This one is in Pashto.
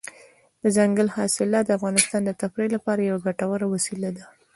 دځنګل حاصلات د افغانانو د تفریح لپاره یوه ګټوره وسیله ده.